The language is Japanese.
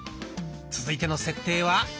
続いての設定は。